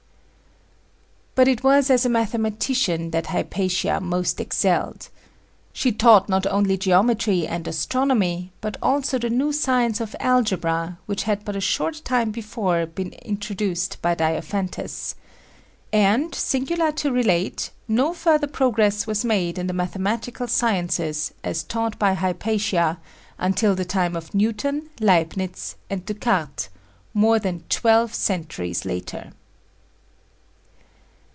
" But it was as a mathematician that Hypatia most excelled. She taught not only geometry and astronomy, but also the new science of algebra, which had but a short time before been introduced by Diophantus. And, singular to relate, no further progress was made in the mathematical sciences, as taught by Hypatia, until the time of Newton, Leibnitz and Descartes, more than twelve centuries later.